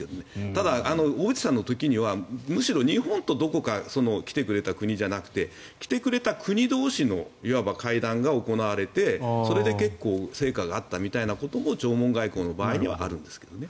ただ、小渕さんの時にはむしろ日本とどこか来てくれた国じゃなくて来てくれた国同士のいわば会談が行われてそれで結構成果があったみたいなことも弔問外交の場合にはあるんですけどね。